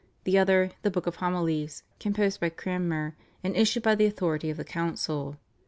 the other, /The Book of Homilies/, composed by Cranmer, and issued by the authority of the council.